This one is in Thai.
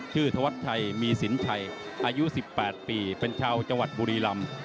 ชื่อธวัดชัยมีศิลป์ชัยอายุ๑๘ปีเป็นชาวจังหวัดบุรีรัมพ์